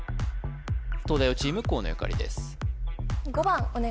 東大王チーム河野ゆかりです